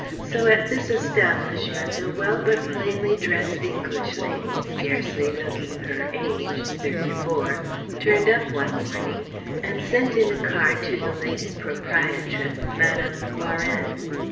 So at this establishment a well but plainly dressed English lady, scarcely looking her age (thirty four) turned up one morning, and sent in a card to the lady proprietress, Mme. Varennes.